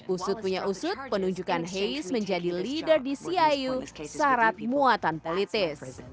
usut punya usut penunjukan hayes menjadi leader di ciu syarat muatan politis